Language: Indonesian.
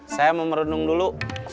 saya mau merenung dulu